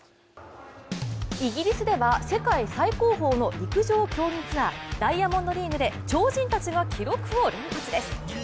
イギリスでは世界最高峰の陸上競技ツアーダイヤモンドリーグで超人たちが記録を連発です。